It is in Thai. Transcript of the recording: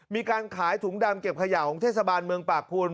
มีการขายถุงดำเก็บขยะของเทศบาลเมืองปากภูน